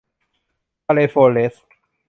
ทะเลโฟลเร็ซ